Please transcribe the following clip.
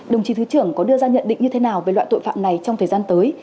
đồng chí thứ trưởng có đưa ra nhận định như thế nào về loại tội phạm này trong thời gian tới